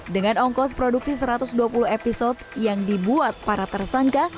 dengan ongkos produksi satu ratus dua puluh episode yang dibuat para tersangka